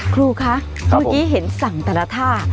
ครูคะเมื่อกี้เห็นสั่งแต่ละท่า